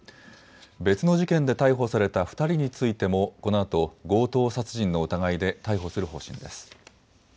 別の事件で逮捕された２人についてもこのあと強盗殺人の疑いで逮捕する方針です。